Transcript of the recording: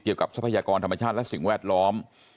เกี่ยวกับทรัพยากรธรรมชาติและสิ่งแวดล้อม